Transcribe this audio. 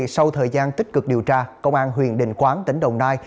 sau thời gian tích cực điều tra công an huyện đình quán tỉnh đồng nai